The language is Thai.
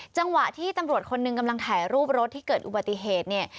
จังหวะที่ตำรวจคนหนึ่งกำลังถ่ายรูปรถที่เกิดอุบัติเหตุเนี่ย